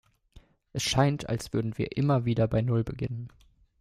Es scheint, als würden wir immer wieder bei null beginnen.